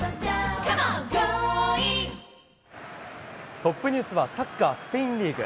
トップニュースはサッカー、スペインリーグ。